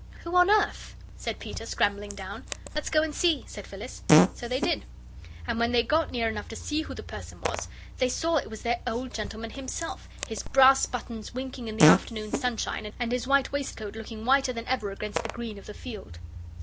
"Who on earth!" said Peter, scrambling down. "Let's go and see," said Phyllis. So they did. And when they got near enough to see who the person was, they saw it was their old gentleman himself, his brass buttons winking in the afternoon sunshine, and his white waistcoat looking whiter than ever against the green of the field.